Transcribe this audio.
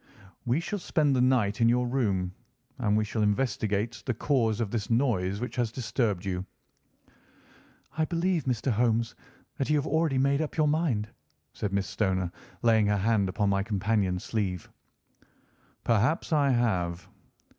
"We shall spend the night in your room, and we shall investigate the cause of this noise which has disturbed you." "I believe, Mr. Holmes, that you have already made up your mind," said Miss Stoner, laying her hand upon my companion's sleeve. "Perhaps I have."